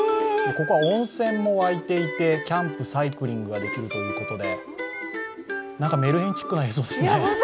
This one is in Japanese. ここは温泉も湧いていて、キャンプサイクリングができるということで、なんかメルヘンチックな映像ですね。